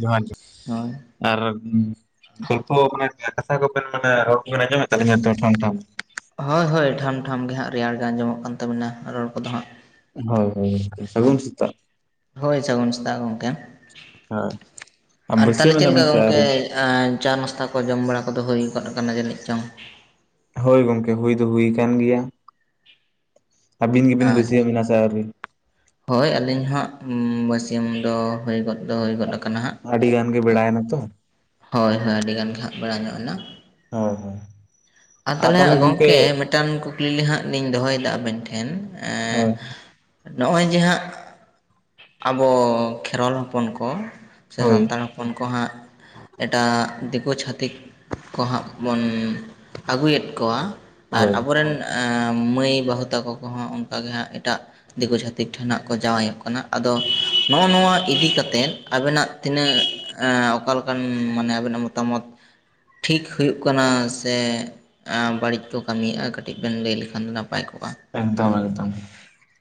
ᱡᱚᱦᱟᱨ ᱜᱮ ᱦᱳᱭ ᱟᱨ ᱜᱚᱞᱯᱚ ᱢᱟᱱᱮ ᱠᱟᱛᱷᱟ ᱠᱚᱵᱮᱱ ᱢᱟᱱᱮ ᱨᱚᱲ ᱠᱚᱵᱮᱱ ᱟᱡᱚᱢᱮᱫ ᱛᱟᱞᱤᱧᱟ ᱴᱷᱟᱢ ᱴᱷᱟᱢ ᱦᱳᱭ ᱦᱳᱭ ᱴᱷᱟᱢ ᱴᱷᱟᱢ ᱜᱮ ᱦᱟᱸᱜ ᱨᱮᱭᱟᱲ ᱜᱮ ᱟᱸᱡᱚᱢᱚᱜ ᱠᱟᱱ ᱛᱟᱵᱤᱱᱟ ᱨᱚᱲ ᱠᱚᱫᱚ ᱦᱟᱸᱜ ᱦᱳᱭ ᱦᱳᱭ ᱥᱟᱹᱜᱩᱱ ᱥᱮᱛᱟᱜ ᱦᱳᱭ ᱥᱟᱹᱜᱩᱱ ᱥᱮᱛᱟᱜ ᱜᱚᱝᱠᱮ ᱦᱳᱭ ᱟᱨ ᱛᱟᱦᱚᱞᱮ ᱵᱟᱹᱥᱭᱟᱹᱢ ᱪᱮᱫ ᱮᱱᱟ ᱵᱮᱱ ᱞᱮᱠᱟ ᱥᱮ ᱜᱚᱝᱠᱮ ᱟᱹᱣᱨᱤ ᱪᱟ ᱱᱟᱥᱛᱟ ᱠᱚ ᱡᱚᱢ ᱵᱟᱲᱟ ᱠᱚᱫᱚ ᱦᱩᱭ ᱜᱚᱫ ᱟᱠᱟᱱᱟ ᱡᱟᱹᱱᱤᱡ ᱪᱚᱝ ᱦᱳᱭ ᱜᱚᱝᱠᱮ ᱦᱩᱭ ᱫᱚ ᱦᱩᱭ ᱟᱠᱟᱱ ᱜᱮᱭᱟ ᱟᱹᱵᱤᱱ ᱜᱮ ᱵᱤᱱ ᱟᱪᱪᱷᱟ ᱵᱟᱥᱤᱭᱟ. ᱢ ᱮᱱᱟ ᱥᱮ ᱟᱹᱣᱨᱤ ᱦᱳᱭ ᱟᱹᱞᱤᱧ ᱦᱚᱸ ᱵᱟᱹᱥᱤᱭᱟ. ᱢ ᱫᱚ ᱦᱩᱭ ᱜᱚᱫ ᱫᱚ ᱦᱩᱭ ᱜᱚᱫ ᱟᱠᱟᱱᱟ ᱦᱟᱸᱜ ᱟᱹᱰᱤ ᱜᱟᱱ ᱜᱮ ᱵᱮᱲᱟᱭ ᱱᱟ ᱛᱚ ᱦᱳᱭ ᱦᱳᱭ ᱟᱹᱰᱤᱜᱟᱱ ᱦᱸᱟᱜ ᱵᱟᱲᱟᱭ ᱧᱚᱜ ᱮᱱᱟ ᱦᱳᱭ ᱦᱳᱭ ᱟᱨ ᱛᱟᱦᱚᱞᱮ ᱜᱚᱝᱠᱮ ᱢᱤᱫᱴᱟᱱ ᱠᱩᱠᱞᱤ ᱦᱟᱸᱜ ᱞᱤᱧ ᱫᱚᱦᱚᱭ ᱫᱟ ᱟᱵᱮᱱ ᱴᱷᱮᱱ ᱦᱳᱭ ᱱᱚᱜᱼᱚᱭ ᱡᱮ ᱦᱟᱸᱜ ᱟᱵᱚ ᱠᱷᱮᱨᱣᱟᱞ ᱦᱚᱯᱚᱱ ᱠᱚ ᱥᱮ ᱦᱳᱭ ᱥᱟᱱᱛᱟᱲ ᱦᱚᱯᱚᱱ ᱩᱱᱠᱩ ᱦᱟᱸᱜ ᱮᱴᱟᱜ ᱫᱤᱠᱩ ᱪᱷᱟᱹᱛᱤᱠ ᱠᱚ ᱦᱟᱸᱜ ᱵᱚᱱ ᱟᱹᱜᱩᱭᱮᱫ ᱠᱚᱣᱟ ᱟᱨ ᱦᱳᱭ ᱟᱵᱚᱨᱮᱱ ᱢᱟᱹᱭ ᱵᱟᱹᱦᱩ ᱛᱟᱠᱚ ᱠᱚᱦᱚᱸ ᱚᱱᱠᱟ ᱜᱮ ᱦᱟᱸᱜ ᱮᱴᱟᱜ ᱫᱤᱠᱩ ᱡᱷᱟᱹᱛ ᱴᱷᱮᱱ ᱦᱟᱜ ᱠᱚ ᱡᱟᱶᱟᱭᱚᱜ ᱠᱟᱱᱟ ᱟᱫᱚ ᱱᱚᱜᱼᱚ ᱱᱚᱣᱟ ᱤᱫᱤ ᱠᱟᱛᱮᱫ ᱟᱵᱮᱱᱟᱜ ᱛᱤᱱᱟᱹᱜ ᱚᱠᱟᱞᱮᱠᱟ ᱢᱟᱱᱮ ᱟᱵᱤᱱᱟᱜ ᱢᱚᱛᱟᱢᱚᱛ ᱴᱷᱤᱠ ᱦᱩᱭᱩᱜ ᱠᱟᱱᱟ ᱥᱮ ᱵᱟᱹᱲᱤᱡ ᱠᱚ ᱠᱟᱹᱢᱤᱭᱮᱜ-ᱟ ᱠᱟᱹᱴᱤᱡ ᱵᱮᱱ ᱞᱟᱹᱭ ᱞᱮᱠᱷᱟᱱ ᱫᱚ ᱱᱟᱯᱟᱭ ᱠᱚᱜᱼᱟ ᱮᱠᱫᱚᱢ, ᱮᱠᱫᱚᱢ!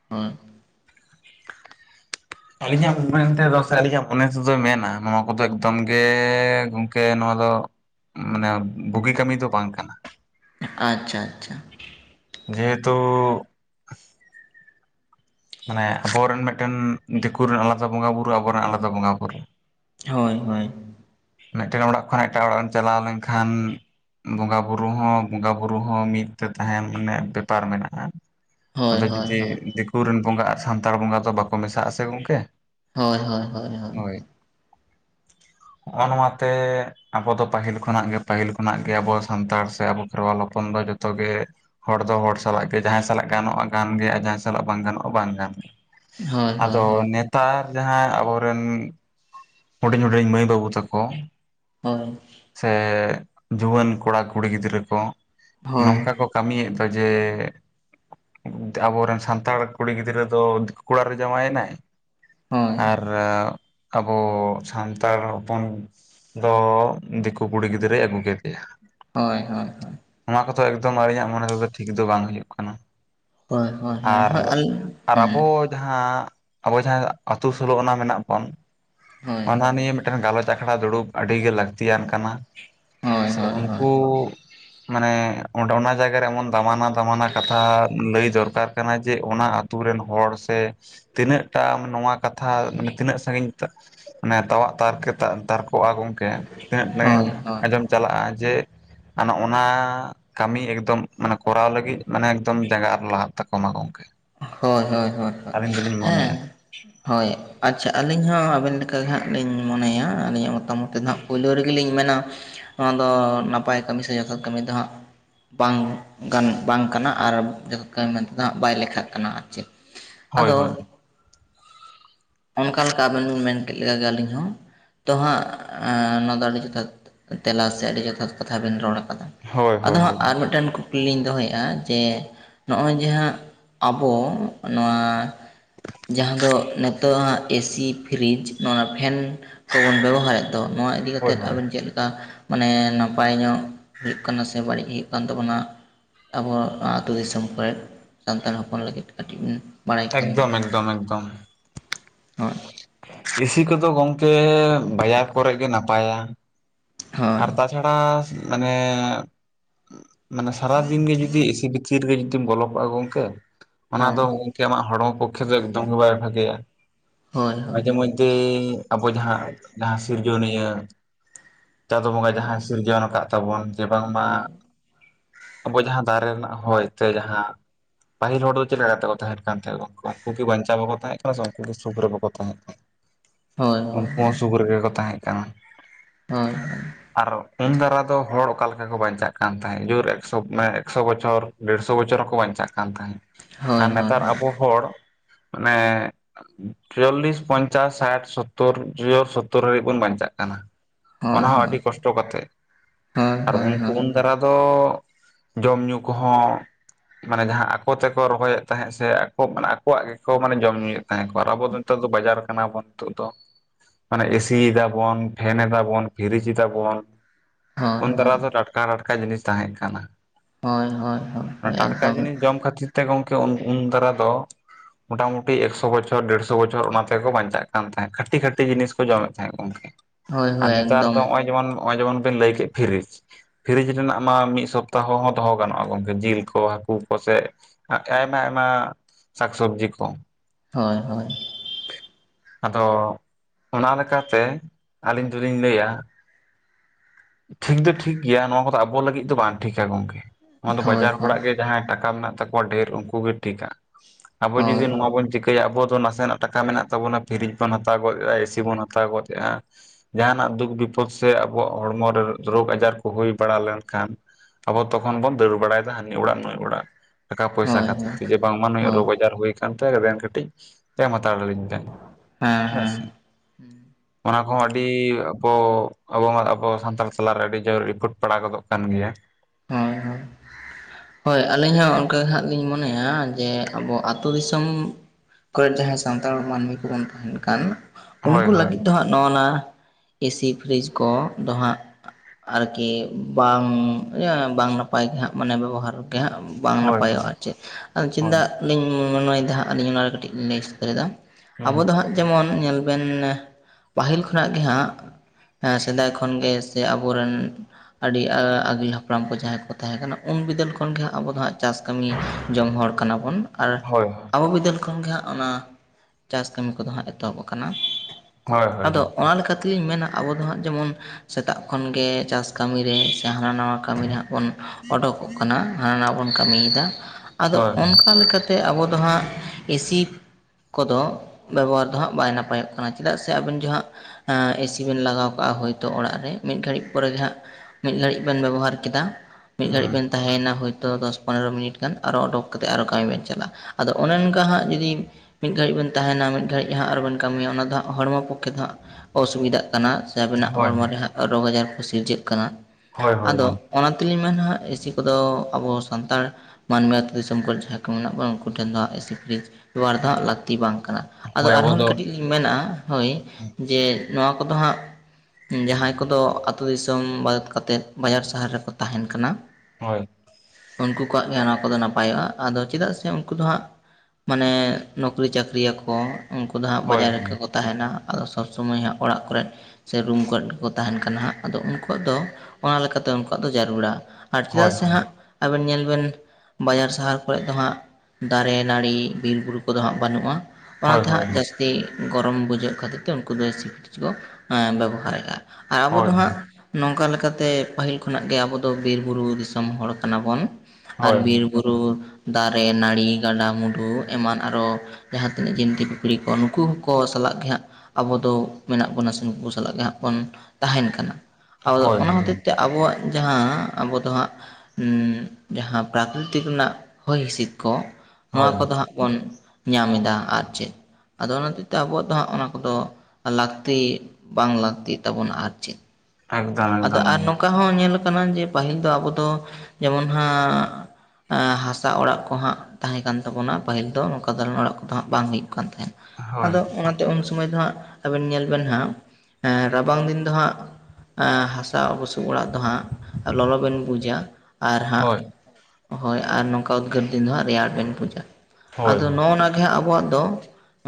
ᱦᱚᱸ, ᱟᱹᱞᱤᱧᱟᱜ ᱢᱮᱱ ᱛᱮᱫᱚ ᱥᱮ ᱟᱹᱞᱤᱧᱟᱜ ᱢᱚᱱᱮ ᱛᱮᱫᱚᱭ ᱢᱮᱱᱟ, ᱱᱚᱣᱟ ᱠᱚᱫᱚ ᱮᱠᱫᱚᱢ ᱜᱮ ᱜᱚᱝᱠᱮ ᱱᱚᱣᱟ ᱫᱚ ᱩᱸ ᱢᱟᱱᱮ ᱵᱩᱜᱤ ᱠᱟᱹᱢᱤ ᱫᱚ ᱵᱟᱝ ᱠᱟᱱᱟ᱾ ᱟᱪᱪᱷᱟ, ᱪᱷᱟ! ᱡᱮᱹ, ᱦᱮᱹᱛᱩ ᱢᱟᱱᱮ ᱟᱵᱚᱨᱮᱱ ᱢᱮᱜᱴᱮᱱ, ᱫᱤᱠᱩᱨᱮᱱ ᱟᱞᱟᱫᱟ ᱵᱚᱹᱜᱟ ᱵᱩᱨᱟᱹ, ᱟᱵᱚᱨᱮᱱ ᱟᱞᱟᱫᱟ ᱵᱚᱸᱜᱟ ᱵᱩᱨᱩ᱾ ᱦᱳᱭ, ᱦᱳᱭ᱾ ᱢᱮᱜᱴᱮᱱ ᱚᱲᱟᱜ ᱚᱠᱷᱟᱡ, ᱮᱴᱟᱜ ᱚᱲᱟᱜ ᱮᱢ ᱪᱟᱞᱟᱣ ᱞᱮᱱᱠᱷᱟᱱ! ᱵᱚᱸᱜᱟ ᱵᱩᱨᱩ ᱦᱚᱸ, ᱵᱚᱸᱜᱟ ᱵᱩᱨᱩ ᱦᱚᱸ ᱢᱤᱫ ᱛᱮ ᱛᱟᱦᱮᱱ ᱢᱟᱱᱮ ᱵᱮᱯᱟᱨ ᱢᱮᱱᱟᱜᱼᱟ᱾ ᱦᱳᱭ ᱟᱫᱚ ᱦᱳᱭ ᱡᱩᱫᱤ ᱦᱳᱭ ᱫᱤᱠᱩ ᱨᱮᱱ ᱵᱚᱸᱜᱟ ᱟ ᱥᱟᱱᱛᱟᱲ ᱵᱚᱸᱜᱟ ᱫᱚ ᱵᱟᱠᱚ ᱢᱮᱥᱟᱜ ᱟᱥᱮ ᱜᱚᱝᱠᱮ! ᱦᱳᱭ, ᱦᱳᱭ, ᱦᱳᱭ, ᱦᱳᱭ, ᱦᱳ ᱦᱚᱜᱼᱚ ᱱᱚᱣᱟᱛᱮ ᱟᱵᱚ ᱫᱚ, ᱯᱟᱦᱤᱞ ᱠᱷᱚᱱᱟᱜ ᱜᱮᱹ, ᱯᱟᱦᱤᱞ ᱠᱷᱚᱱᱟᱜ ᱜᱮᱹ, ᱟᱵᱚ ᱥᱟᱱᱛᱟᱲ ᱥᱮ ᱟᱵᱚ ᱠᱷᱮᱨᱣᱟᱞᱚᱯᱚᱱ ᱫᱚ ᱡᱚ ᱛᱚ ᱜᱮ ᱦᱚᱲ ᱫᱚ, ᱦᱚᱲ ᱥᱟᱞᱟᱜ ᱜᱮ ᱡᱟᱦᱟᱸᱭ ᱥᱟᱞᱟᱜ ᱜᱟᱱᱚᱜᱼᱟ, ᱜᱟᱱ ᱜᱮᱭᱟ ᱟ ᱡᱟᱦᱟᱸᱭ ᱥᱟᱞᱟᱜ ᱵᱟᱝ ᱜᱟᱱᱚᱜᱼᱟ, ᱵᱟᱝ ᱜᱟᱱ ᱦᱳᱭ ᱟᱫᱚ ᱦᱳᱭ ᱱᱮᱛᱟᱨ ᱡᱟᱦᱟᱸ ᱟᱵᱚᱨᱮᱱ, ᱦᱩᱰᱤᱧ-ᱦᱩᱰᱤᱧ ᱢᱟᱹᱭ ᱵᱟᱹᱵᱩ ᱛᱟ ᱠᱚ ᱦᱳᱭ, ᱥᱮ ᱡᱩᱣᱟᱹᱱ ᱠᱚᱲᱟ-ᱠᱩᱲᱤ ᱜᱤᱫᱽᱨᱟᱹ ᱠᱚᱸ ᱦᱳᱭ ᱱᱚᱝᱠᱟ ᱠᱚ ᱠᱟᱹᱢᱤᱭᱮᱫ ᱫᱚ ᱡᱮ, ᱛᱟ ᱟᱵᱚᱨᱮᱱ ᱥᱟᱱᱛᱟᱲ ᱠᱩᱲᱤ ᱜᱤᱫᱽᱨᱟᱹ ᱫᱚ, ᱫᱤᱠᱩ ᱠᱚᱲᱟ ᱨᱮ ᱡᱟᱶᱟᱭᱮᱱᱟᱭ ᱦᱳᱭ ᱦᱳᱭ ᱦᱳᱭ ᱟᱨ ᱟᱵᱚ ᱥᱟᱱᱛᱟᱲ ᱦᱚᱯ ᱯᱚᱱ ᱫᱚ ᱫᱤᱠᱩ ᱠᱩᱲᱤ ᱜᱤᱫᱽᱨᱟᱹᱭ ᱟᱹᱜᱩ ᱠᱮᱫᱮᱭᱟ ᱾ ᱦᱳᱭ, ᱦᱳᱭ, ᱦᱳ ᱚᱶᱟ ᱠᱚᱫᱚ ᱮᱠᱫᱚᱢ, ᱟᱨᱤᱧᱟᱜ ᱢᱚᱱᱮᱨᱫᱚ, ᱴᱷᱤᱠ ᱫᱚ ᱵᱟᱝ ᱦᱩᱭᱩᱜ ᱠᱟᱱᱟ᱾ ᱦᱳᱭ, ᱦᱚᱭ, ᱦᱚᱭ, ᱟᱨ ᱦᱳ, ᱟᱞᱤ ᱟᱨ ᱟᱵᱚ ᱡᱟᱦᱟᱸ, ᱟᱵᱚ ᱡᱷᱟᱸ ᱟᱛᱩ ᱥᱳᱞᱳ ᱟᱱᱟ ᱢᱮᱱᱟᱜ ᱵᱚᱱ, ᱦᱳᱭ ᱚᱱᱟ ᱱᱤᱭᱮᱹ ᱢᱤᱫ ᱟᱞᱚᱡᱽ ᱟᱠᱷᱲᱟ ᱫᱩᱲᱩᱵ ᱟᱰᱤ ᱜᱮ ᱞᱟᱠᱛᱤᱭᱟᱱ ᱠᱟᱱᱟ ᱦᱳᱭ ᱥᱮ ᱦᱳᱭ ᱦᱳᱭ ᱩᱱᱠᱩ ᱢᱟᱱᱮ ᱚᱸᱰᱮ ᱚᱱᱟ ᱡᱟᱭᱜᱟ ᱨᱮ, ᱮᱢᱚᱱ ᱫᱟᱢᱟᱱᱟ, ᱫᱟᱢᱟᱱᱟ ᱠᱟᱛᱷᱟ ᱞᱟᱹᱭ ᱫᱚᱨᱠᱟᱨ ᱠᱟᱱᱟ ᱡᱮ, ᱚᱱᱟ ᱛᱩ ᱨᱮᱱ ᱦᱚᱲ ᱥᱮ ᱛᱤᱱᱟᱹᱜ ᱴᱟᱢ ᱱᱚᱣᱟ ᱠᱟᱛᱷᱟ, ᱢᱟᱱᱮ ᱛᱤᱱᱟᱹᱜ ᱥᱟᱺᱜᱤᱧ ᱪᱟᱜ? ᱢᱟᱱᱮ ᱛᱟᱣᱟᱜ ᱛᱟᱨᱠᱮᱹᱛᱟᱜ ᱛᱟᱨᱠᱚᱜᱼᱟ, ᱜᱚᱝᱠᱮ᱾ ᱛᱤᱱᱟᱹᱜ ᱴᱟᱺᱜᱤᱧ ᱦᱳᱭ ᱦᱳᱭ ᱟᱸᱡᱚᱢ ᱪᱟᱞᱟᱜᱼᱟ ᱡᱮ! ᱟ ᱱᱚᱜᱼᱚ ᱱᱟ ᱠᱟᱹᱢᱤ ᱮᱠᱫᱚᱢ, ᱢᱟᱱᱮ ᱠᱚᱨᱟᱣ ᱞᱟᱹᱜᱤᱜ, ᱢᱟᱱᱮ ᱮᱠᱫᱚᱢ ᱡᱟᱸᱜᱟ ᱟᱞ ᱞᱟᱦᱟᱜ ᱛᱟᱠᱚ ᱢᱟ ᱜᱚᱝᱠᱮ᱾ ᱦᱳᱭ, ᱦᱳᱭ, ᱦᱳᱭ, ᱦᱳᱭ, ᱟᱹᱞᱤᱧ ᱫᱚᱞᱤᱧ ᱦᱮᱸ, ᱢᱚᱱᱮᱭᱟ ᱦᱳᱭ᱾ ᱟᱪᱪᱷᱟ! ᱟᱹᱞᱤᱧ ᱦᱚᱸ ᱟᱵᱤᱱ ᱞᱮᱠᱟ ᱦᱟᱸᱜ ᱞᱤᱧ ᱢᱚᱱᱮᱭᱟ, ᱟᱹᱞᱤᱧᱟᱜ ᱢᱚᱛᱟᱢᱚ ᱛᱤᱫᱟᱸᱜ ᱯᱳᱭᱞᱳ ᱨᱮᱹᱜᱮᱹᱞᱤᱧ ᱢᱮᱱᱟ᱾ ᱚᱶᱟ ᱫᱚ ᱱᱟᱯᱟᱭ ᱠᱟᱹᱢᱤ ᱥᱮ ᱡᱚᱛᱷᱟᱛ ᱠᱟᱹᱢᱤ ᱫᱚ ᱦᱟᱸᱜ ᱵᱟᱝ ᱜᱟᱱ, ᱵᱟᱝ ᱠᱟᱱᱟ ᱟᱨ ᱡᱚᱛᱚ ᱠᱟᱹᱢᱤ ᱢᱮᱱ ᱛᱮᱫᱚ ᱶᱟᱜ ᱵᱟᱭ ᱞᱮᱠᱷᱟᱜ ᱠᱟᱱᱟ ᱟᱨ ᱪᱮᱫ! ᱦᱳᱭ, ᱟᱫᱚ ᱦᱳ ᱚᱱᱠᱟ ᱞᱮᱠᱟ, ᱟᱵᱮᱱ ᱢᱮᱱ ᱠᱮᱫ ᱞᱮᱠᱟ ᱜᱮ ᱟᱞᱤᱧ ᱦᱚᱸ᱾ ᱛᱚ ᱦᱟᱸᱜ ᱮᱸ ᱱᱚᱣᱟ ᱫᱚ ᱟᱰᱤ ᱡᱚᱛᱷᱟᱛ ᱛᱮᱹᱞᱟ ᱥᱮ ᱟᱹᱰᱤ ᱡᱚᱛᱷᱟᱛ ᱠᱟᱛᱷᱟ ᱵᱮᱹᱱ ᱨᱚᱲᱟᱠᱟᱫᱟ᱾ ᱦᱳᱭ ᱟᱫᱚ ᱦᱳᱭ ᱦᱟᱸᱜ ᱟᱨ ᱢᱤᱫᱴᱮᱱ ᱠᱩ ᱠᱩᱠᱞᱤ ᱞᱤᱧ ᱫᱚᱦᱚᱭᱮᱫᱼᱟ ᱡᱮ ᱱᱚᱜᱼᱚᱭ ᱡᱮ ᱦᱟᱸᱜ ᱟᱵᱚ ᱱᱚᱣᱟ ᱡᱟᱦᱟᱸ ᱫᱚ ᱱᱮᱛᱼᱼ ᱱᱤᱛᱚᱜ ᱦᱟᱜ ᱮᱥᱤ ᱯᱷᱤᱨᱤᱡᱽ ᱱᱚᱣᱟ ᱯᱷᱮᱱ ᱠᱚᱵᱚᱱ ᱵᱮᱵᱚᱦᱟᱨᱮᱫᱼᱼ ᱟᱫᱚ ᱱᱚᱣᱟ ᱤᱫᱤ ᱦᱳᱭ ᱠᱟᱛᱮᱫ ᱦᱳᱭ ᱟᱵᱮᱱ ᱪᱮᱫ ᱞᱮᱠᱟ? ᱢᱟᱱᱮ ᱱᱟᱯᱟᱭ ᱧᱚᱜ ᱦᱩᱭᱩᱜ ᱠᱟᱱᱟ ᱥᱮ, ᱵᱟᱹᱲᱤᱡ ᱦᱩᱭᱩᱜ ᱠᱟᱱ ᱛᱟᱵᱚᱱᱟ᱾ ᱟᱵᱚ ᱟᱹᱛᱩ ᱫᱤᱥᱚᱢ ᱠᱚᱨᱮ ᱥᱟᱱᱛᱟᱲ ᱦᱚᱯᱚᱱ ᱞᱟᱹᱜᱤᱫ ᱠᱟᱹᱴᱤᱡ ᱵᱟᱲᱟᱭ ᱠᱷᱟᱱ ᱫᱚ ᱮᱠᱫᱚᱢ ᱮᱠᱫᱚᱢ ᱮᱠᱫᱚᱢ᱾ ᱦᱳᱭ᱾ ᱮᱥᱤ ᱠᱚᱫᱚ ᱜᱚᱢᱠᱮ ᱵᱟᱡᱟᱨ ᱠᱚᱨᱮ ᱜᱮ ᱱᱟᱯᱟᱭᱟ᱾ ᱦᱳᱭ ᱟᱨ ᱛᱟᱪᱷᱟᱲᱟ ᱢᱟᱱᱮ ᱢᱟᱱᱮ ᱥᱟᱨᱟᱫᱤᱱ ᱜᱮ ᱡᱩᱫᱤ ᱮᱥᱤ ᱵᱷᱤᱛᱤᱨ ᱨᱮᱜᱮ ᱡᱩᱫᱤᱢ ᱵᱚᱞᱚᱠᱚᱜᱼᱟ ᱜᱚᱝᱠᱮ ᱚᱱᱟ ᱦᱮᱸ ᱫᱚ ᱜᱚᱝᱠᱮ ᱟᱢᱟᱜ ᱦᱚᱲᱢᱚ ᱯᱚᱠᱠᱷᱮ ᱫᱚ ᱮᱠᱫᱚᱢ ᱜᱮ ᱵᱟᱭ ᱵᱷᱟᱜᱮᱭᱟ ᱦᱳᱭ ᱦᱳᱭ ᱢᱟᱡᱷᱮ ᱢᱚᱫᱽᱫᱷᱮ ᱟᱵᱚ ᱡᱟᱦᱟᱸ, ᱡᱟᱦᱟᱸ ᱥᱤᱨᱡᱚᱱᱤᱭᱟᱹ ᱪᱟᱸᱫᱳ ᱵᱚᱸᱜᱟ ᱦᱳᱭ ᱡᱟᱦᱟᱸᱭ ᱥᱤᱨᱡᱚᱱ ᱟᱠᱟᱫ ᱛᱟᱵᱚᱱ ᱡᱮ ᱵᱟᱝᱢᱟ ᱦᱳᱭ ᱟᱵᱚ ᱡᱟᱦᱟᱸ ᱫᱟᱨᱮ ᱨᱮᱱᱟᱜ ᱦᱚᱭᱛᱮ ᱡᱟᱦᱟᱸ ᱯᱟᱹᱦᱤᱞ ᱦᱚᱲ ᱫᱚ ᱪᱤᱫ ᱞᱮᱠᱟ ᱠᱟᱛᱮ ᱠᱚ ᱛᱟᱦᱮᱱ ᱠᱟᱱ ᱛᱟᱸᱦᱮᱫ ᱜᱚᱢᱠᱮ ᱩᱱᱠᱩ ᱠᱤ ᱵᱟᱧᱪᱟᱣ ᱵᱟᱠᱚ ᱛᱟᱦᱮᱸ ᱠᱟᱱᱟ ᱥᱮ ᱥᱩᱠ ᱨᱮ ᱵᱟᱠᱚ ᱛᱟᱦᱮᱸᱜ ᱦᱳᱭ ᱦᱳᱭ ᱩᱱᱠᱩ ᱦᱚᱸ ᱥᱩᱠ ᱨᱮᱜᱮ ᱠᱚ ᱛᱟᱦᱮᱸᱜ ᱠᱟᱱᱟ ᱦᱚᱭ ᱟᱨ ᱩᱱ ᱫᱟᱨᱟ ᱫᱚ ᱦᱚᱲ ᱚᱠᱟ ᱞᱮᱠᱟ ᱠᱚ ᱵᱟᱧᱪᱟᱜ ᱠᱟᱱ ᱛᱟᱦᱮᱸᱫ ᱡᱳᱨ ᱮᱠᱥᱚ - ᱮᱠᱥᱚ ᱵᱚᱪᱷᱚᱨ ᱰᱮᱲᱥᱚ ᱵᱚᱪᱷᱚᱨ ᱦᱚᱸᱠᱚ ᱵᱟᱧᱪᱟᱜ ᱠᱟᱱ ᱛᱟᱦᱮᱸᱫ ᱦᱳᱭ ᱟᱨ ᱦᱳᱭ ᱱᱮᱛᱟᱨ ᱦᱳᱭ ᱟᱵᱚ ᱦᱚᱲ ᱢᱟᱱᱮ ᱪᱚᱞᱞᱤᱥ ᱯᱚᱧᱪᱟᱥ ᱥᱟᱴ ᱥᱳᱛᱛᱳᱨ ᱡᱳᱨ ᱥᱳᱛᱛᱳᱨ ᱦᱟᱹᱨᱤᱡ ᱵᱚᱱ ᱵᱟᱧᱪᱟᱜ ᱠᱟᱱᱟ ᱦᱳᱭ ᱦᱳᱭ ᱚᱱᱟ ᱦᱚᱸ ᱦᱳᱭ ᱟᱹᱰᱤ ᱠᱚᱥᱴᱚ ᱠᱟᱛᱮᱜ ᱟᱨ ᱩᱱᱠᱩ ᱦᱳᱭ ᱩᱱ ᱫᱟᱨᱟ ᱫᱚ ᱡᱚᱢ ᱧᱩ ᱠᱚᱦᱚᱸ ᱢᱟᱱᱮ ᱡᱟᱦᱟᱸ ᱟᱠᱚ ᱛᱮᱠᱚ ᱨᱚᱦᱚᱭᱮᱫ ᱛᱟᱦᱮᱸᱜ ᱥᱮ ᱟᱠᱚ ᱢᱟᱱᱮ ᱟᱠᱚᱣᱟᱜ ᱜᱮᱠᱚ ᱢᱟᱱᱮ ᱡᱚᱢᱧᱩᱭᱮᱫ ᱭᱟᱸᱦᱮᱜ ᱠᱚ ᱟᱨ ᱟᱵᱚ ᱫᱚ ᱱᱤᱛᱚᱜ ᱫᱚ ᱵᱟᱡᱟᱨ ᱠᱟᱱᱟ ᱵᱚᱱ ᱱᱤᱛᱚᱜ ᱫᱚ ᱢᱟᱱᱮ ᱮᱥᱤ ᱮᱫᱟᱵᱚᱱ ᱯᱷᱮᱱ ᱮᱫᱟᱵᱚᱱ ᱯᱷᱨᱤᱡᱽ ᱮᱫᱟᱵᱚᱱ ᱩᱱ ᱫᱟᱨᱟ ᱫᱚ ᱴᱟᱴᱠᱟ ᱴᱟᱴᱠᱟ ᱡᱤᱱᱤᱥ ᱛᱟᱦᱮᱸᱜ ᱠᱟᱱᱟ ᱦᱳᱭ ᱦᱳᱭ [inaudible] ᱴᱟᱴᱠᱟ ᱦᱳᱭ ᱡᱤᱱᱤᱥ ᱡᱚᱢ ᱠᱷᱟᱹᱛᱤᱨ ᱛᱮ ᱜᱚᱝᱠᱮ ᱩᱱ ᱩᱱ ᱫᱟᱨᱟ ᱫᱚ ᱢᱚᱴᱟᱢᱩᱴᱤ ᱮᱠ ᱥᱚ ᱵᱚᱪᱷᱚᱨ ᱰᱮᱲᱥᱚ ᱵᱚᱪᱷᱚᱨ ᱚᱱᱟ ᱛᱮᱠᱚ ᱵᱟᱧᱟᱜ ᱠᱟᱱ ᱛᱟᱦᱮᱸᱫ ᱠᱷᱟᱹᱴᱤ ᱠᱷᱟᱹᱴᱤ ᱡᱤᱱᱤᱥ ᱠᱚ ᱡᱚᱢᱮᱫ ᱛᱟᱦᱮᱸᱜ ᱜᱚᱝᱠᱮ ᱟᱨ ᱦᱳᱭ ᱱᱮᱛᱟᱨ ᱮᱠᱫᱚᱢ ᱫᱚ ᱱᱚᱼᱚᱭ ᱡᱮᱢᱚᱱ ᱱᱚᱼᱚᱭ ᱡᱮᱢᱚᱱ ᱵᱤᱱ ᱞᱟᱹᱭ ᱠᱮᱫ ᱯᱷᱤᱨᱤᱡᱽ ᱯᱷᱨᱤᱡ ᱨᱮᱱᱟᱜ ᱢᱟ ᱢᱤᱫ ᱥᱚᱯᱛᱟᱦᱚ ᱦᱚᱸ ᱫᱚᱦᱚ ᱜᱟᱱᱚᱜᱼᱟ ᱜᱚᱝᱠᱮ ᱡᱤᱞ ᱠᱚ ᱦᱟᱹᱠᱩ ᱠᱚ ᱥᱮ [inaudible] ᱟᱭᱢᱟ ᱟᱭᱢᱟ ᱥᱟᱠᱥᱚᱵᱽᱡᱤ ᱠᱚ ᱦᱚᱭ ᱦᱚᱭ ᱟᱫᱚ ᱚᱱᱟ ᱞᱮᱠᱟᱛᱮ ᱟᱹᱞᱤᱧ ᱫᱚᱞᱤᱧ ᱞᱟᱹᱭᱟ ᱴᱷᱤᱠ ᱫᱚ ᱴᱷᱤᱠ ᱜᱮᱭᱟ ᱱᱚᱣᱟ ᱠᱚᱫᱚ ᱟᱵᱚ ᱞᱟᱹᱜᱤᱫ ᱫᱚ ᱵᱟᱝ ᱴᱷᱤᱠᱟ ᱜᱚᱝᱠᱮ ᱱᱚᱣᱟ ᱫᱚ ᱮᱠᱫᱚᱢ ᱦᱳᱭ ᱦᱳᱭ ᱦᱳᱭ ᱦᱳᱭ ᱵᱟᱡᱟᱨ ᱦᱚᱲᱟᱜ ᱜᱮ ᱡᱟᱦᱟᱸᱭ ᱴᱟᱠᱟ ᱢᱮᱱᱟᱜ ᱛᱟᱠᱚᱣᱟ ᱰᱷᱮᱨ ᱩᱱᱠᱩ ᱜᱮ ᱴᱷᱤᱠᱟ ᱟᱵᱚ ᱦᱳᱭ ᱡᱚᱫᱤ ᱦᱳᱭ ᱱᱚᱣᱟ ᱵᱚ ᱟᱵᱚ ᱫᱚ ᱱᱟᱥᱮᱱᱟᱜ ᱴᱟᱠᱟ ᱢᱮᱱᱟᱜ ᱛᱟᱵᱚᱱᱟ ᱯᱷᱨᱤᱡ ᱵᱚᱱ ᱦᱟᱛᱟᱣ ᱜᱚᱫ ᱮᱜᱼᱟ ᱮᱥᱤ ᱵᱚᱱ ᱦᱟᱛᱟᱣ ᱜᱚᱫᱮ-ᱟ ᱡᱟᱦᱟᱱᱟᱜ ᱫᱩᱠ ᱵᱤᱯᱚᱫ ᱥᱮ ᱟᱵᱚᱣᱟᱜ ᱦᱚᱲᱢᱚ ᱨᱮ ᱨᱳᱜᱽ ᱟᱡᱟᱨ ᱠᱚ ᱦᱩᱭ ᱵᱟᱲᱟ ᱞᱮᱱᱠᱷᱟᱱ ᱟᱵᱚ ᱛᱚᱠᱷᱚᱱ ᱵᱚᱱ ᱫᱟᱹᱲ ᱵᱟᱲᱟᱭᱫᱟ ᱦᱟᱹᱱᱤ ᱚᱲᱟᱜ ᱱᱩᱭ ᱚᱲᱟᱜ ᱴᱟᱠᱟ ᱯᱚᱭᱥᱟ ᱦᱳᱭ ᱠᱷᱟᱹᱛᱤᱨ ᱛᱮ ᱡᱮ ᱵᱟᱝᱢᱟ ᱱᱩᱭᱟᱜ ᱨᱳᱜᱽ ᱦᱳᱭ ᱟᱡᱟᱨ ᱦᱩᱭ ᱠᱟᱱ ᱛᱟᱭᱟ ᱟᱵᱮᱱ ᱠᱟᱹᱴᱤᱡ ᱮᱢ ᱦᱟᱛᱟᱲ ᱟᱞᱤᱧ [unintelligible] ᱦᱮᱸᱥᱮ ᱦᱩᱸ ᱚᱱᱟ ᱠᱚᱦᱚᱸ ᱟᱹᱰᱤ ᱟᱵᱚ ᱟᱵᱚ ᱢᱟ ᱟᱵᱚ ᱥᱟᱱᱛᱟᱲ ᱛᱟᱞᱟᱨᱮ ᱟᱹᱰᱤ ᱡᱳᱨ ᱮᱯᱷᱳᱴ ᱯᱟᱲᱟᱣ ᱜᱚᱫᱚᱜ ᱠᱟᱱ ᱜᱮᱭᱟ ᱦᱮᱸᱭ ᱦᱮᱸ ᱦᱳᱭ ᱟᱹᱞᱤᱧ ᱦᱚᱸ ᱚᱱᱠᱟ ᱦᱟᱸᱜ ᱞᱤᱧ ᱢᱚᱱᱮᱭᱟ ᱡᱮ ᱟᱵᱚ ᱟᱹᱛᱩ ᱫᱤᱥᱚᱢ ᱠᱚᱨᱮ ᱡᱟᱦᱟᱸᱭ ᱥᱟᱱᱛᱟᱲ ᱢᱟᱹᱱᱢᱤ ᱠᱚᱵᱚᱱ ᱛᱟᱦᱮᱱ ᱠᱟᱱ ᱦᱳᱭ ᱩᱱᱠᱩ ᱦᱳᱭ ᱞᱟᱹᱜᱤᱫ ᱫᱚ ᱦᱟᱸᱜ ᱱᱚᱜᱼᱱᱟ ᱮᱥᱤ ᱯᱷᱨᱤᱡᱽ ᱠᱚ ᱫᱚ ᱦᱟᱸᱜ ᱟᱨᱠᱤ ᱵᱟᱝ [inaudible] ᱵᱟᱝ ᱱᱟᱯᱟᱭ ᱜᱮ ᱦᱟᱸᱜ ᱢᱟᱱᱮ ᱵᱮᱵᱚᱦᱟᱨ ᱜᱮ ᱦᱟᱸᱜ ᱵᱟᱝ ᱦᱳᱭ ᱦᱳᱭ ᱱᱟᱯᱟᱭᱚᱜᱼᱟ ᱟᱨ ᱪᱤᱫ ᱦᱳᱭ [inaudible] ᱞᱤᱧ ᱢᱚᱱᱚᱭᱫᱟ ᱦᱟᱸᱜ ᱟᱹᱧ ᱚᱱᱟ ᱠᱟᱹᱴᱤᱡ ᱞᱤᱧ ᱞᱟᱹᱭ [inaudible] ᱫᱟ ᱟᱵᱚ ᱦᱩᱸ ᱫᱚ ᱦᱟᱸᱜ ᱡᱮᱢᱚᱱ ᱧᱮᱞ ᱵᱮᱱ ᱯᱟᱹᱦᱤᱞ ᱠᱷᱚᱱᱟᱜ ᱜᱮ ᱦᱟᱸᱜ ᱥᱮᱫᱟᱭ ᱠᱷᱚᱱ ᱜᱮ ᱥᱮ ᱟᱵᱚᱨᱮᱱ ᱟᱹᱰᱤ ᱟ ᱟᱹᱜᱤᱞ ᱦᱟᱯᱲᱟᱢ ᱠᱚ ᱡᱟᱦᱟᱸᱭ ᱠᱚ ᱛᱟᱦᱮᱸ ᱠᱟᱱᱟ ᱩᱱ ᱵᱤᱫᱟᱹᱞ ᱠᱷᱚᱱ ᱜᱮ ᱟᱵᱚ ᱫᱚ ᱦᱟᱸᱜ ᱪᱟᱥ ᱠᱟᱹᱢᱤ ᱡᱚᱝ ᱦᱚᱲ ᱠᱟᱱᱟ ᱵᱚᱱ ᱟᱨ ᱦᱳᱭ ᱟᱵᱚ ᱵᱤᱫᱟᱹᱞ ᱠᱷᱚᱱᱜᱮ ᱦᱟᱸᱜ ᱚᱱᱟ ᱪᱟᱥ ᱠᱟᱹᱢᱤ ᱠᱚᱫᱚ ᱦᱟᱸᱜ ᱮᱛᱚᱦᱚᱵ ᱠᱟᱱᱟ ᱦᱳᱭ ᱦᱳᱭ ᱦᱳᱭ ᱟᱫᱚ ᱦᱳᱭ ᱚᱱᱟ ᱞᱮᱠᱟ ᱛᱮᱞᱤᱧ ᱢᱮᱱᱟ ᱟᱵᱚ ᱫᱚ ᱦᱟᱸᱜ ᱡᱮᱢᱚᱱ ᱥᱮᱛᱟᱜ ᱠᱷᱚᱱ ᱜᱮ ᱪᱟᱥ ᱠᱟᱹᱢᱤ ᱨᱮ ᱥᱮ ᱦᱟᱱᱟ ᱱᱟᱣᱟ ᱠᱟᱹᱢᱤ ᱨᱮ ᱦᱟᱸᱜ ᱵᱚᱱ ᱚᱰᱚᱠᱚᱜ ᱠᱟᱱᱟ [inaudible] ᱵᱚᱱ ᱠᱟᱹᱢᱤᱫᱟ ᱟᱫᱚ ᱦᱳᱭ ᱚᱱᱠᱟ ᱞᱮᱠᱟ ᱛᱮ ᱟᱵᱚ ᱫᱚ ᱦᱟᱸᱜ ᱮᱥᱤ ᱠᱚᱫᱚ ᱵᱮᱵᱚᱦᱟᱨ ᱫᱚ ᱦᱟᱸᱜ ᱵᱟᱭ ᱱᱟᱯᱟᱭᱚᱜ ᱠᱟᱱᱟ, ᱪᱮᱫᱟᱜ ᱥᱮ ᱟᱵᱮᱱ ᱡᱚ ᱦᱟᱸᱜ ᱟᱹ ᱮᱥᱤ ᱵᱮᱱ ᱞᱟᱜᱟᱣ ᱠᱟᱜᱼᱟ ᱦᱳᱭᱛᱳ ᱚᱲᱟᱜ ᱨᱮ ᱢᱤᱫ ᱜᱷᱟᱹᱲᱤᱡ ᱯᱚᱨᱮᱜ ᱜᱮ ᱦᱟᱸᱜ ᱢᱤᱫ ᱜᱷᱟᱹᱲᱤᱡ ᱵᱮᱱ ᱵᱮᱵᱚᱦᱟᱨᱟ ᱠᱮᱫᱟ ᱢᱤᱜ ᱜᱷᱟᱹᱲᱤᱡ ᱦᱩᱸ ᱵᱮᱱ ᱛᱟᱦᱮᱸᱭᱮᱱᱟ ᱦᱚᱭᱛᱳ ᱫᱚᱥ ᱯᱚᱱᱨᱚ ᱢᱤᱱᱤᱴ᱾ ᱟᱨᱚ ᱚᱰᱚᱠ ᱠᱟᱛᱮᱫ ᱟᱨᱚ ᱠᱟᱹᱢᱤ ᱵᱮᱱ ᱪᱟᱞᱟᱜᱼᱟ᱾ ᱟᱫᱚ ᱚᱱᱮ ᱚᱱᱠᱟ ᱦᱟᱸᱜ ᱡᱩᱫᱤ ᱢᱤᱫ ᱜᱷᱟᱹᱲᱤᱡ ᱵᱮᱱ ᱛᱟᱦᱮᱱᱟ, ᱢᱤᱫ ᱜᱷᱟᱹᱲᱤᱡ ᱦᱟᱸᱜ ᱟᱨᱵᱮᱱ ᱠᱟᱹᱢᱤᱭᱟ, ᱚᱱᱟ ᱫᱚ ᱦᱟᱸᱜ ᱦᱚᱲᱢᱚ ᱯᱚᱠᱠᱷᱮ ᱫᱚ ᱦᱟᱸᱜ ᱚᱥᱩᱵᱤᱫᱟᱜ ᱠᱟᱱᱟ ᱥᱮ ᱟᱵᱤᱱᱟᱜ ᱦᱳᱭ ᱦᱚᱲᱢᱚ ᱨᱮ ᱨᱳᱜᱽ ᱟᱡᱟᱨ ᱠᱚ ᱥᱤᱨᱡᱟᱹᱜ ᱠᱟᱱᱟ᱾ ᱦᱳᱭ ᱦᱳᱭ ᱟᱫᱚ ᱜᱚᱝ ᱚᱱᱟ ᱛᱮᱞᱤᱧ ᱢᱮᱱᱟ ᱦᱟᱸᱜ ᱮᱥᱤ ᱠᱚᱫᱚ ᱟᱵᱚ ᱥᱟᱱᱛᱟᱲ ᱢᱟᱹᱱᱢᱤ ᱟᱹᱛᱳ ᱫᱤᱥᱚᱢ ᱠᱚᱨᱮ ᱡᱟᱦᱟᱸᱭ ᱠᱚ ᱢᱮᱱᱟᱜ ᱵᱚᱣᱟ ᱩᱱᱠᱩ ᱴᱷᱮᱱ ᱫᱚ ᱦᱟᱜ ᱮᱥᱤ ᱯᱷᱨᱤᱡᱽ ᱵᱮᱵᱚᱦᱟᱨ ᱫᱚ ᱦᱟᱸᱜ ᱞᱟᱹᱠᱛᱤ ᱵᱟᱝ ᱠᱟᱱᱟ᱾ ᱟᱫᱚ ᱦᱳᱭ ᱟᱵᱚ ᱟᱨᱦᱚᱸ ᱫᱚ ᱠᱟᱹᱴᱤᱡ ᱞᱤᱧ ᱢᱮᱱᱟ ᱦᱳᱭ, ᱡᱮ ᱱᱚᱣᱟ ᱠᱚᱫᱚ ᱦᱟᱸᱜ ᱡᱟᱦᱟᱸᱭ ᱠᱚᱫᱚ ᱟᱹᱛᱩ ᱫᱤᱥᱚᱢ ᱵᱟᱫᱽ ᱠᱟᱛᱮᱜ ᱵᱟᱡᱟᱨ ᱥᱟᱦᱟᱨ ᱨᱮᱠᱚ ᱛᱟᱦᱮᱱ ᱠᱟᱱᱟ᱾ ᱦᱳᱭ᱾ ᱩᱱᱠᱩ ᱠᱚᱣᱟᱜ ᱜᱮ ᱱᱚᱣᱟ ᱠᱚᱫᱚ ᱱᱟᱯᱟᱭᱚᱜᱼᱟ᱾ ᱟᱫᱚ ᱪᱮᱫᱟᱜ ᱥᱮ ᱩᱱᱠᱩ ᱫᱚ ᱦᱟᱸᱜ ᱢᱟᱱᱮ ᱱᱚᱩᱠᱨᱤ ᱪᱟᱹᱠᱨᱤᱭᱟᱠᱚ ᱩᱱᱠᱩ ᱫᱚ ᱦᱟᱸᱜ ᱦᱳᱭ ᱵᱟᱡᱟᱨ ᱦᱳᱭ ᱞᱮᱠᱟᱠᱚ ᱛᱟᱦᱮᱱᱟ ᱟᱫᱚ ᱥᱚᱵᱽ ᱥᱚᱢᱚᱭ ᱦᱟᱸᱜ ᱚᱲᱟᱜ ᱠᱚᱨᱮ ᱥᱮ ᱨᱩᱢ ᱠᱚᱨᱴ ᱠᱚ ᱛᱟᱦᱮᱱ ᱠᱟᱱᱟ ᱦᱟᱸᱜ, ᱟᱫᱚ ᱩᱱᱠᱩᱣᱟᱜ ᱫᱚ ᱚᱱᱟ ᱞᱮᱠᱟᱛᱮ ᱩᱱᱼᱼ ᱫᱚ ᱡᱟᱹᱨᱩᱲᱟ᱾ ᱟᱨ ᱪᱮᱫᱟᱜ ᱦᱳᱭ ᱥᱮ ᱦᱟᱸᱜ ᱟᱵᱮᱱ ᱧᱮᱞ ᱵᱮᱱ ᱵᱟᱡᱟᱨ ᱥᱟᱦᱟᱨ ᱠᱚᱨᱮ ᱫᱚ ᱦᱟᱸᱜ ᱫᱟᱨᱮ ᱱᱟᱹᱲᱤ ᱵᱤᱨ ᱵᱩᱨᱩ ᱠᱚᱫᱚ ᱦᱟᱸᱜ ᱵᱟᱹᱱᱩᱜᱼᱟ᱾ ᱦᱳᱭ ᱚᱱᱟᱛᱮᱦᱟᱸᱜ ᱦᱳᱭ ᱡᱟᱹᱥᱛᱤ ᱜᱚᱨᱚᱢ ᱵᱩᱡᱷᱟᱹᱜ ᱠᱷᱟᱹᱛᱤᱨ ᱛᱮ ᱩᱱᱠᱩ ᱫᱚ ᱮᱥᱤ-ᱯᱷᱨᱤᱪ ᱠᱚ ᱵᱮᱵᱚᱦᱟᱨᱮᱜᱼᱟ᱾ ᱟᱨ ᱟᱵᱚ ᱫᱚ ᱦᱳᱭ ᱦᱟᱸᱜ ᱱᱚᱝᱠᱟ ᱞᱮᱠᱟᱛᱮ ᱯᱟᱹᱦᱤᱞ ᱠᱷᱚᱱᱟᱜ ᱜᱮ ᱟᱵᱚ ᱫᱚ ᱵᱤᱨ ᱵᱩᱨᱩ ᱫᱤᱥᱚᱢ ᱦᱚᱲ ᱠᱟᱱᱟ ᱵᱚᱱ ᱟᱨ ᱵᱤᱨ ᱦᱳᱭ ᱵᱩᱨᱩ [inaudible] ᱫᱟᱨᱮ, ᱱᱟᱹᱲᱤ ᱜᱟᱰᱟᱼᱢᱩᱰᱩ, ᱮᱢᱟᱱ ᱟᱨᱚ ᱡᱟᱦᱟᱸ ᱛᱤᱱᱟᱹᱜ ᱡᱤᱱᱛᱤ ᱯᱤᱯᱲᱤ ᱠᱚ ᱱᱩᱠᱩ ᱦᱚᱸᱠᱚ ᱥᱟᱞᱟᱜ ᱜᱮᱦᱟᱸᱜ ᱟᱵᱚ ᱫᱚ ᱢᱮᱱᱟᱜ ᱵᱚᱱᱟ ᱥᱮ ᱱᱩᱠᱩ ᱥᱟᱞᱟᱜ ᱜᱮ ᱦᱟᱸᱜ ᱵᱚᱱ ᱛᱟᱦᱮᱱ ᱠᱟᱱᱟ᱾ ᱟᱣᱚᱫᱚ ᱚᱱᱟ ᱦᱚᱛᱮᱡ ᱛᱮ ᱟᱵᱚᱣᱟᱜ ᱡᱟᱦᱟᱸ ᱟᱵᱚ ᱫᱚ ᱦᱟᱸᱜ ᱦᱩᱸᱡᱟᱦᱟᱸ ᱯᱨᱟᱠᱨᱤᱛᱤᱠ ᱨᱮᱱᱟᱜ ᱦᱚᱭ ᱦᱤᱸᱥᱤᱫ ᱠᱚ ᱱᱚᱣᱟ ᱦᱳᱭ ᱠᱚᱫᱚ ᱦᱟᱸᱜ ᱵᱚᱱ ᱧᱟᱢ ᱮᱫᱟ, ᱟᱨ ᱪᱮᱫ? ᱟᱫᱚ ᱚᱱᱟ ᱦᱚᱛᱮᱡ ᱛᱮ ᱟᱵᱚᱣᱟᱜ ᱫᱚ ᱦᱟᱸᱜ ᱚᱱᱟ ᱠᱚᱫᱚ ᱞᱟᱹᱠᱛᱤ ᱵᱟᱝ ᱞᱟᱹᱠᱛᱤᱜ ᱛᱟᱵᱚᱱᱟ, ᱟᱨ ᱪᱮᱫ? ᱮᱠᱫᱚᱢ ᱟᱫᱚ ᱮᱠᱫᱚᱢ ᱟᱨ ᱜᱚᱝᱠᱮ ᱱᱚᱝᱠᱟ ᱦᱚᱸ ᱧᱮᱞ ᱠᱟᱱᱟ ᱡᱮ ᱯᱟᱹᱦᱤᱞ ᱫᱚ ᱟᱵᱚ ᱫᱚ ᱡᱮᱢᱚᱱ ᱦᱟᱸᱜ ᱮᱸ ᱦᱟᱥᱟ ᱚᱲᱟᱜ ᱠᱚ ᱦᱟᱸᱜ ᱛᱟᱦᱮᱸ ᱠᱟᱱ ᱛᱟᱵᱚᱱᱟ ᱯᱟᱹᱦᱤᱞ ᱫᱚ ᱱᱚᱝᱠᱟ ᱫᱚᱞᱟᱱ ᱚᱲᱟᱜ ᱠᱚᱫᱚ ᱦᱟᱸᱜ ᱵᱟᱝ ᱦᱩᱭᱩᱜ ᱠᱟᱱ ᱛᱟᱦᱮᱸᱫ᱾ ᱦᱳᱭ ᱟᱫᱚ ᱚᱱᱟᱛᱮ ᱩᱱ ᱥᱚᱢᱚᱭ ᱫᱚ ᱦᱟᱸᱜ ᱟᱵᱮᱱ ᱧᱮᱞ ᱵᱮᱱ ᱦᱟᱸᱜ ᱨᱟᱵᱟᱝ ᱫᱤᱱ ᱫᱚ ᱦᱟᱸᱜ, ᱮᱸ ᱦᱟᱥᱟ ᱵᱩᱥᱩᱵ ᱚᱲᱟᱜ ᱫᱚ ᱦᱟᱸᱜ ᱞᱚᱞᱚᱵᱮᱱ ᱵᱩᱡᱟ᱾ ᱟᱨ ᱦᱟᱸᱜ ᱦᱳᱭ ᱦᱳᱭ ᱟᱨ ᱱᱚᱝᱠᱟ ᱩᱫᱽᱜᱟᱹᱨ ᱫᱤᱱ ᱫᱚ ᱦᱟᱸᱜ ᱨᱮᱭᱟᱲ ᱵᱮᱱ ᱯᱩᱡᱟ᱾ ᱦᱳᱭ ᱟᱫᱚ ᱱᱚᱜᱼᱚᱱᱟ ᱜᱮ ᱦᱟᱸᱜ ᱟᱵᱚᱣᱟᱜ ᱫᱚ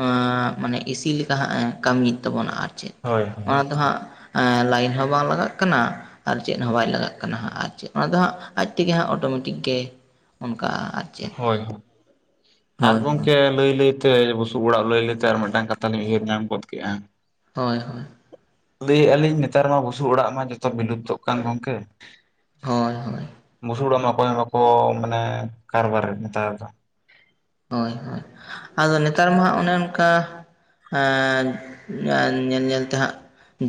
ᱟᱺ ᱢᱟᱱᱮ ᱤᱥᱤ ᱞᱮᱠᱟ ᱦᱟᱸᱜ ᱮ ᱠᱟᱹᱢᱤᱭᱮᱫ ᱛᱟᱵᱚᱱᱟ᱾ ᱟᱨ ᱪᱮᱫ ᱦᱳᱭ ᱦᱳᱭ᱾ ᱟ ᱫᱚ ᱦᱟᱸᱜ ᱮᱸ ᱞᱟᱭᱤᱱ ᱦᱚᱸ ᱵᱟᱝ ᱞᱟᱜᱟᱜ ᱠᱟᱱᱟ᱾ ᱟᱨ ᱪᱮᱫ ᱦᱚᱸ ᱵᱟᱭ ᱞᱟᱜᱟᱜ ᱠᱟᱱᱟ ᱦᱟᱸᱜ᱾ ᱟᱨ ᱪᱮᱫ? ᱚᱱᱟ ᱫᱚ ᱦᱟᱸᱜ ᱟᱡ ᱛᱮᱜᱮ ᱦᱟᱸᱜ ᱚᱴᱳᱢᱮᱴᱤᱠ ᱜᱮ? ᱚᱱᱠᱟ ᱟᱡ ᱦᱳᱭ ᱦᱳ, ᱟᱨ ᱦᱳᱭ ᱜᱚᱢᱠᱮ ᱞᱟᱹᱭ ᱞᱟᱹᱭ ᱛᱮ ᱵᱩᱥᱩᱵ ᱚᱲᱟᱜ ᱞᱟᱹᱭ ᱞᱟᱹᱭᱛᱮ ᱟᱨ ᱢᱤᱫᱴᱟᱝ ᱠᱟᱛᱷᱟ ᱞᱤᱧ ᱩᱭᱦᱟᱹᱨ ᱧᱟᱢ ᱜᱚᱫ ᱠᱮᱫᱼᱟ᱾ ᱦᱳᱭ ᱦᱳᱭ᱾ ᱞᱟᱹᱭ ᱟᱹᱞᱤᱧ ᱱᱮᱛᱟᱨ ᱢᱟ ᱵᱩᱥᱩᱵ ᱚᱲᱟᱜ ᱢᱟ ᱡᱚᱛᱚ ᱵᱤᱞᱩᱯᱛᱚᱜ ᱠᱟᱱ ᱜᱚᱢᱠᱮ᱾ ᱦᱳᱭ ᱦᱳᱭ᱾ ᱵᱩᱥᱩᱜ ᱩᱲᱟᱜ ᱢᱟ ᱚᱠᱚᱭ ᱦᱚᱸ ᱵᱟᱠᱚ ᱢᱟᱱᱮ ᱠᱟᱨᱵᱟᱨᱮᱜ ᱱᱮᱛᱟᱨ ᱫᱚ᱾ ᱦᱳᱭ ᱦᱳᱭ, ᱟᱫᱚ ᱱᱮᱛᱟᱨ ᱢᱟ ᱦᱟᱸᱜ ᱚᱱᱮ ᱚᱱᱠᱟ ᱮᱸ, ᱧᱟᱜ ᱧᱮᱞ ᱧᱮᱞ ᱛᱮ ᱦᱟᱸᱜ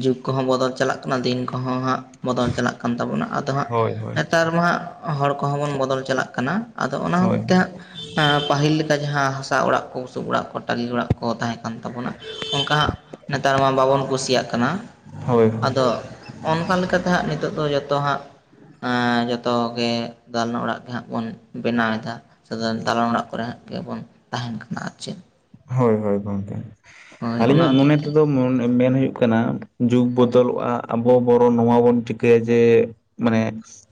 ᱡᱩᱜᱽ ᱠᱚᱦᱚᱸ ᱵᱚᱫᱚᱞ ᱪᱟᱞᱟᱜ ᱠᱟᱱᱟ, ᱫᱤᱱ ᱠᱚᱦᱚᱸ ᱦᱟᱸᱜ ᱵᱚᱫᱚᱞ ᱪᱟᱞᱟᱜ ᱠᱟᱱ ᱛᱟᱵᱚᱱᱟ᱾ ᱟᱫᱚ ᱦᱟᱸᱜ ᱦᱳᱭ ᱦᱳᱭ ᱱᱮᱛᱟᱨ ᱢᱟ ᱦᱟᱜ ᱦᱚᱲ ᱠᱚᱦᱚᱸ ᱵᱚᱱ ᱵᱚᱫᱚᱞ ᱪᱟᱞᱟᱜ ᱠᱟᱱᱟ᱾ ᱟᱫᱚ ᱚᱱᱟ ᱦᱚᱛ ᱦᱳᱭ ᱛᱮ ᱦᱟᱸᱜ ᱦᱮᱸ ᱯᱟᱹᱦᱤᱞ ᱞᱮᱠᱟ ᱡᱟᱦᱟᱸ ᱦᱟᱥᱟ ᱚᱲᱟᱜ ᱠᱚ, ᱵᱩᱥᱩᱵ ᱚᱲᱟᱜ ᱠᱚ ᱴᱟᱹᱞᱤ ᱚᱲᱟᱜ ᱠᱚ ᱛᱟᱦᱮᱸ ᱠᱟᱱ ᱛᱟᱵᱚᱱᱟ᱾ ᱚᱱᱠᱟ ᱦᱟᱸᱜ ᱱᱮᱛᱟᱨ ᱢᱟ ᱵᱟᱵᱚᱱ ᱠᱩᱥᱤᱭᱟᱜ ᱠᱟᱱᱟ᱾ ᱦᱳᱭ ᱟᱫᱚ ᱚᱱᱠᱟ ᱞᱮᱠᱟᱛᱮ ᱦᱟᱸᱜ ᱱᱤᱛᱚᱜ ᱫᱚ ᱡᱚᱛᱚ ᱦᱟᱜ ᱡᱚᱛᱚ ᱜᱮ ᱫᱟᱞᱟᱱ ᱚᱲᱟᱜ ᱜᱮ ᱦᱟᱸᱜ ᱵᱚᱱ ᱵᱮᱱᱟᱣ ᱮᱫᱟ ᱫᱟᱞᱟᱱ ᱚᱲᱟᱜ ᱚᱲᱟᱜ ᱨᱮᱜᱮ ᱵᱚᱱ ᱛᱟᱦᱮᱱ ᱠᱟᱱᱟ ᱟᱨ ᱪᱮᱫ ᱦᱳᱭ ᱦᱳᱭ ᱜᱚᱝᱠᱮ ᱦᱳᱭ ᱚᱱᱟ ᱟᱹᱞᱤᱧᱟᱜ ᱦᱚᱛᱮᱡ ᱢᱚᱱᱮ ᱛᱮ ᱛᱮᱫᱚ ᱢᱚᱱ ᱢᱮᱱ ᱦᱩᱭᱩᱜ ᱠᱟᱱᱟ ᱡᱩᱜᱽ ᱵᱚᱫᱚᱞᱚᱜᱼᱟ ᱟᱵᱚ ᱵᱚᱨᱚ ᱱᱚᱣᱟ ᱵᱚᱱ ᱪᱤᱠᱟᱹᱭᱟ ᱡᱮ ᱢᱟᱱᱮ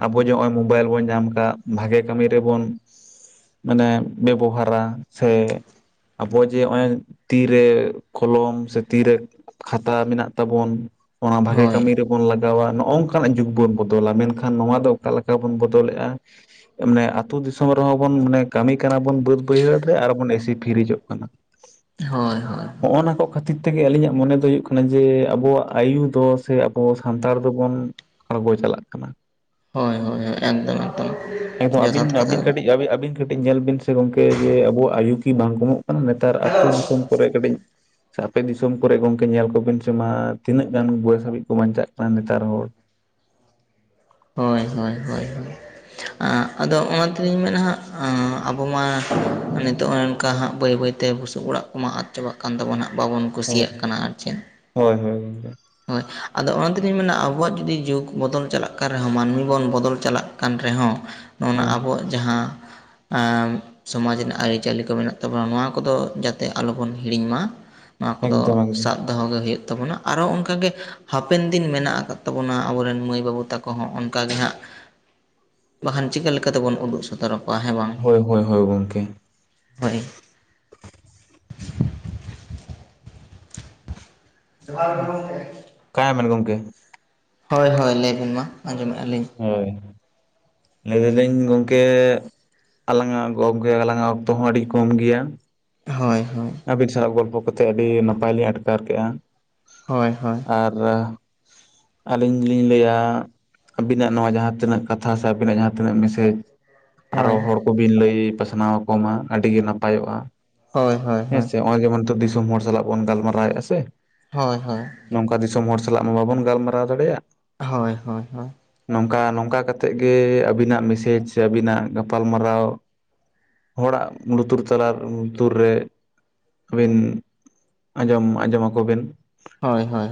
ᱟᱵᱚ ᱡᱮ ᱦᱚᱸᱚᱭ ᱢᱳᱵᱟᱭᱤᱞ ᱵᱚᱱ ᱧᱟᱢ ᱟᱠᱟᱫ ᱵᱷᱟᱜᱮ ᱠᱟᱹᱢᱤ ᱨᱮᱵᱚᱱ ᱢᱟᱱᱮ ᱵᱮᱵᱚᱦᱟᱨᱟ ᱥᱮ ᱟᱵᱚ ᱡᱮ ᱚᱸᱭ ᱛᱤᱨᱮ ᱠᱚᱞᱚᱢ ᱥᱮ ᱛᱤᱨᱮ ᱠᱷᱟᱛᱟ ᱢᱮᱱᱟᱜ ᱛᱟᱵᱚᱱ ᱚᱱᱟ ᱵᱷᱟᱜᱮ ᱦᱳᱭ ᱠᱟᱹᱢᱤ ᱨᱮᱵ ᱵᱚᱱ ᱞᱟᱜᱟᱣᱟ ᱱᱚᱜᱼᱚ ᱱᱚᱝᱠᱟᱱᱟᱜ ᱡᱩᱜᱽ ᱵᱚᱱ ᱵᱚᱫᱚᱞᱟ ᱢᱮᱱᱠᱷᱟᱱ ᱱᱚᱣᱟ ᱫᱚ ᱚᱠᱟ ᱞᱮᱠᱟ ᱵᱚᱱ ᱵᱚᱫᱚᱞᱮᱜᱼᱟ ᱢᱮ ᱟᱹᱛᱩ ᱫᱤᱥᱚᱢ ᱨᱮᱦᱚᱸ ᱵᱚᱱ ᱢᱚᱱᱮ ᱠᱟᱹᱢᱤ ᱠᱟᱱᱟ ᱵᱚᱱ ᱵᱟᱹᱫ ᱵᱟᱹᱭᱦᱟᱹᱲ ᱨᱮ ᱟᱨ ᱵᱚᱱ ᱮᱥᱤ ᱯᱷᱤᱨᱤᱡᱚᱜ ᱠᱟᱱᱟ ᱦᱳᱭ ᱦᱳᱭ ᱦᱚᱜᱼ ᱱᱟ ᱠᱚ ᱠᱷᱟᱹᱛᱤᱨ ᱛᱮᱜᱮ ᱟᱹᱞᱤᱧᱟᱜ ᱢᱚᱱᱮ ᱫᱚ ᱦᱩᱭᱩᱜ ᱠᱟᱱᱟ ᱡᱮ ᱟᱵᱚᱣᱟᱜ ᱟᱭᱩ ᱫᱚ ᱥᱮ ᱟᱵᱚ ᱥᱟᱱᱛᱟᱲ ᱫᱚᱵᱚᱱ ᱟᱸᱲᱜᱚ ᱪᱟᱞᱟᱜ ᱠᱟᱱᱟ ᱦᱳᱭ ᱦᱳᱭ ᱮᱠᱫᱚᱢ ᱮᱠᱫᱚᱢ ᱮᱠᱫᱚᱢ ᱟᱹᱵᱤᱱ ᱡᱚᱛᱷᱟᱛ ᱠᱟᱛᱷᱟ ᱟᱹᱵᱤᱱ ᱫᱚ ᱠᱟᱹᱴᱤᱡ ᱟᱹᱵᱤᱱ ᱠᱟᱹᱴᱤᱡ ᱧᱮᱞ ᱵᱤᱱ ᱥᱮ ᱜᱚᱝᱠᱮ ᱡᱮ ᱟᱵᱚᱣᱟᱜ ᱟᱭᱩ ᱠᱤ ᱵᱟᱝ ᱠᱚᱢᱚᱜ ᱠᱟᱱᱟ ᱱᱮᱛᱟᱨ ᱟᱹᱛᱩᱳ ᱫᱤᱥᱚᱢ ᱠᱚᱨᱮ ᱠᱟᱹᱴᱤᱡ ᱥᱮ ᱟᱯᱮ ᱫᱤᱥᱚᱢ ᱠᱚᱨᱮ ᱜᱚᱝᱠᱮ ᱧᱮᱞ ᱠᱚᱵᱤᱱ ᱥᱮ ᱢᱟ ᱛᱤᱱᱟᱹᱜ ᱜᱟᱱ ᱵᱚᱭᱮᱥ ᱦᱟᱹᱵᱤᱡ ᱠᱚ ᱵᱟᱧᱪᱟᱜ ᱠᱟᱱᱟ ᱱᱮᱛᱟᱨ ᱦᱚᱲ ᱦᱳᱭ ᱦᱳᱭ ᱦᱳᱭ ᱟᱸ ᱟᱫᱚ ᱚᱱᱟ ᱛᱮᱞᱤᱧ ᱢᱮᱱᱟ ᱦᱟᱸ ᱟᱵᱚ ᱢᱟ ᱱᱤᱛᱚᱜ ᱚᱱᱠᱟ ᱦᱟᱸᱜ ᱵᱟᱹᱭ ᱵᱟᱹᱭᱛᱮ ᱛᱮ ᱵᱩᱥᱩᱵ ᱚᱲᱟᱜ ᱠᱚᱢᱟ ᱟᱫ ᱪᱟᱵᱟᱜ ᱠᱟᱱ ᱛᱟᱵᱚᱱᱟᱜ ᱦᱟᱜ ᱵᱟᱵᱚᱱ ᱦᱳᱭ ᱠᱩᱥᱤᱭᱟᱜ ᱠᱟᱱᱟ ᱟᱨ ᱪᱮᱫ ᱦᱳᱭ ᱦᱳᱭ ᱜᱚᱝᱠᱮ ᱦᱳᱭ ᱟᱫᱚ ᱚᱱᱟᱛᱮᱞᱤᱧ ᱢᱮᱱᱟ ᱟᱵᱚᱣᱟᱜ ᱡᱩᱫᱤ ᱡᱩᱜᱽ ᱵᱚᱫᱚᱞ ᱪᱟᱞᱟᱜ ᱠᱟᱱ ᱨᱮᱦᱚᱸ ᱢᱟᱹᱱᱢᱤ ᱵᱚᱱ ᱵᱚᱫᱚᱞ ᱪᱟᱞᱟᱜ ᱠᱟᱱ ᱨᱮᱦᱚᱸ ᱱᱚᱜᱱᱟ ᱦᱮᱸ ᱟᱵᱚᱣᱟᱜ ᱡᱟᱦᱟᱸ ᱮᱸ ᱥᱚᱢᱟᱡᱽ ᱨᱮᱱᱟᱜ ᱟᱹᱨᱤᱪᱟᱹᱞᱤ ᱠᱚ ᱢᱮᱱᱟᱜ ᱛᱟᱵᱚᱱᱟ ᱱᱚᱣᱟ ᱠᱚᱫᱚ ᱡᱟᱛᱮ ᱟᱞᱚᱵᱚᱱ ᱦᱤᱲᱤᱧ ᱢᱟ ᱱᱚᱣᱟ ᱠᱚᱫᱚ ᱮᱠᱫᱚᱢ ᱮᱠᱫᱚᱢ ᱥᱟᱵ ᱫᱚᱦᱚ ᱜᱮ ᱦᱩᱭᱩᱜ ᱛᱟᱵᱚᱱᱟ ᱟᱨᱚ ᱚᱝᱠ ᱠᱟᱜᱮ ᱦᱟᱯᱮᱱ ᱫᱤᱱ ᱢᱮᱱᱟᱜ ᱟᱠᱟᱫ ᱛᱟᱵᱚᱱᱟ ᱟᱵᱚᱨᱮᱱ ᱢᱟᱹᱭ ᱵᱟᱹᱵᱩ ᱛᱟᱠᱚ ᱦᱚᱸ ᱚᱱᱠᱟᱜ ᱜᱮ ᱦᱟᱸᱜ ᱵᱟᱠᱷᱟᱱ ᱪᱤᱠᱟᱹ ᱞᱮᱠᱟᱛᱮᱵᱚᱱ ᱩᱫᱩᱜ ᱥᱚᱫᱚ ᱨᱟᱠᱚᱣᱟ ᱦᱮᱸ ᱵᱟᱝ ᱦᱳᱭ ᱦᱳᱭ ᱦᱳᱭ ᱜᱚᱝᱠᱮ ᱦᱳᱭ [unintelligible] ᱡᱚᱦᱟᱨ ᱜᱚᱝᱠᱮ ᱠᱟᱭ ᱱᱟᱵᱮᱱ ᱜᱚᱢᱠᱮ ᱦᱳᱭ ᱦᱳᱭ ᱞᱟᱹᱭᱵᱤᱱ ᱢᱟ ᱟᱸᱡᱚᱢᱮᱜᱼᱟ ᱞᱤᱧ ᱦᱳᱭ [inaudible] ᱞᱟᱹᱭ ᱫᱟᱞᱟᱹᱧ ᱜᱚᱝᱠᱮ ᱟᱞᱟᱝᱟᱜ ᱜᱚᱯᱜᱮ ᱟᱞᱟᱝᱟᱜ ᱚᱠᱛᱚ ᱦᱚᱸ ᱟᱹᱰᱤ ᱠᱚᱢ ᱜᱮᱭᱟ ᱦᱳᱭ ᱦᱳᱭ ᱟᱹᱵᱤᱱ ᱥᱟᱞᱟᱜ ᱜᱚᱞᱯᱚ ᱠᱟᱛᱮᱫ ᱟᱹᱰᱤ ᱱᱟᱯᱟᱭ ᱞᱤᱧ ᱟᱴᱠᱟᱨ ᱠᱮᱜᱼᱟ ᱦᱳᱭ ᱦᱳᱭ ᱟᱨ ᱟᱹᱞᱤᱧ ᱞᱤᱧ ᱞᱟᱹᱭᱟ ᱟᱵᱤᱱᱟᱜ ᱱᱚᱣᱟ ᱡᱟᱦᱟᱸ ᱛᱤᱱᱟᱹᱜ ᱠᱟᱛᱷᱟ ᱥᱮ ᱟᱹᱵᱤᱱᱟᱜ ᱡᱟᱦᱟᱸ ᱛᱤᱱᱟᱹᱜ ᱢᱮᱥᱮᱡᱽ ᱟᱨᱚ ᱦᱳᱭ ᱦᱚᱲ ᱠᱚᱵᱤᱱ ᱞᱟᱹᱭ ᱯᱟᱥᱱᱟᱣ ᱟᱠᱚ ᱢᱟ ᱟᱹᱰᱤ ᱜᱮ ᱱᱟᱯᱟᱭᱚᱜᱼᱟ ᱦᱳᱭ ᱦᱳᱭ ᱦᱮᱸ ᱦᱳᱭ ᱥᱮᱮ ᱱᱚᱜᱼᱚᱭ ᱡᱮᱢᱚᱱ ᱫᱤᱥᱚᱢ ᱦᱚᱲ ᱥᱟᱞᱟᱜ ᱵᱚᱱ ᱜᱟᱞᱢᱟᱨᱟᱣᱮᱜᱼᱟ ᱥᱮ ᱦᱳᱭ ᱦᱳᱭ ᱱᱚᱝᱠᱟ ᱫᱤᱥᱚᱢ ᱦᱚᱲ ᱥᱟᱞᱟᱜ ᱢᱟ ᱵᱟᱵᱚᱱ ᱜᱟᱞᱢᱟᱨᱟᱣ ᱫᱟᱲᱮᱭᱟᱜ ᱦᱳᱭ ᱦᱳᱭ ᱦᱳᱭ ᱱᱚᱝᱠᱟ ᱱᱚᱝᱠᱟ ᱠᱟᱛᱮᱜ ᱜᱮ ᱟᱹᱵᱤᱱᱟᱜ ᱢᱮᱥᱮᱡᱽ ᱥᱮ ᱟᱹᱵᱤᱱᱟᱜ ᱜᱟᱯᱟᱞᱢᱟᱨᱟᱣ ᱦᱚᱲᱟᱜ ᱞᱩᱛᱩᱨ ᱛᱟᱞᱟᱨ ᱞᱩᱛᱩᱨ ᱨᱮ ᱟᱹᱵᱤᱱ ᱟᱸᱡᱚᱢ ᱟᱸᱡᱚᱢ ᱟᱠᱚ ᱵᱤᱱ᱾ ᱦᱳᱭ ᱦᱳᱭ ᱦᱳᱭ